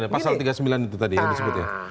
pasal tiga puluh sembilan itu tadi yang disebutnya